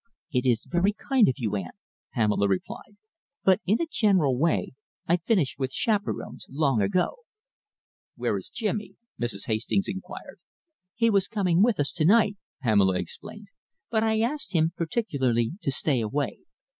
"It is very kind of you, aunt," Pamela replied, "but in a general way I finished with chaperons long ago." "Where is Jimmy?" Mrs. Hastings inquired. "He was coming with us to night," Pamela explained, "but I asked him particularly to stay away.